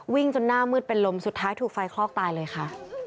จนหน้ามืดเป็นลมสุดท้ายถูกไฟคลอกตายเลยค่ะ